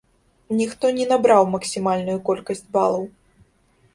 Ніхто не набраў максімальную колькасць балаў.